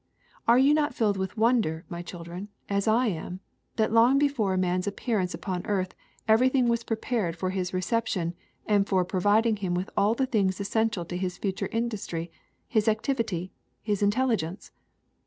Are you not filled with wonder, my chil dren, as I am, that long before man's appearance upon earth everything was prepared for his recep tion and for providing him with the things essential to his future industry, his activity, his intelligence!